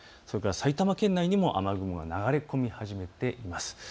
埼玉県内にも雨雲が流れ込み始めています。